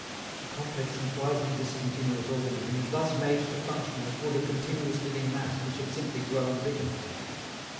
The complex and quasi discontinuous organism is thus made to function as would a continuous living mass which had simply grown bigger.